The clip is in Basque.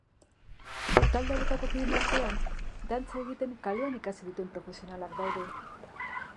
Talde hauetako kideen artean, dantza egiten kalean ikasi duten profesionalak daude.